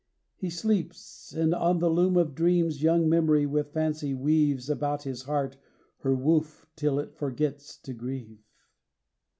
He sleeps; and on the loom Of dreams, young memory with fancy weaves About his heart her woof till it forgets to grieve.